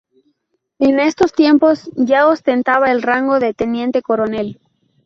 En estos años ya ostentaba el rango de teniente coronel.